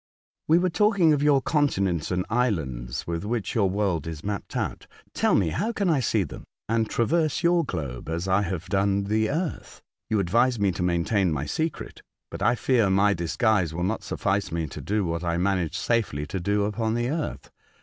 '' You were talking of your continents and islands with which your world is mapped out. 124 A Voyage to Other Worlds, Tell me, how can I see them, and traverse your globe as I have done the earth? You advise me to maintain my secret, but I fear my dis guise will not suffice me to do what I managed safely to do upon the earth.